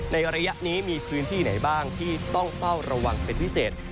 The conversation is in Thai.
ในระยะนี้มีพื้นที่ไหนบ้างที่ต้องเฝ้าระวังเป็นพิเศษ